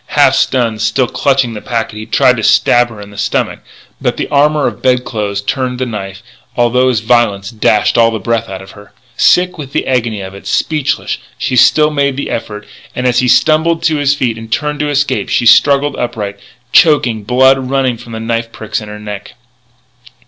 Half stunned, still clutching the packet, he tried to stab her in the stomach; but the armour of bed clothes turned the knife, although his violence dashed all breath out of her. Sick with the agony of it, speechless, she still made the effort; and, as he stumbled to his feet and turned to escape, she struggled upright, choking, blood running from the knife pricks in her neck.